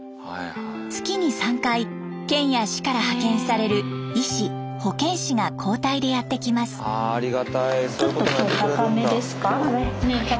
月に３回県や市から派遣される医師保健師が交代でやって来ます。